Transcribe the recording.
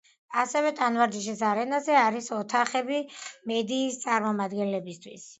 ასევე ტანვარჯიშის არენაზე არის ოთახები მედიის წარმომადგენლებისთვის.